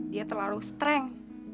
dia terlalu streng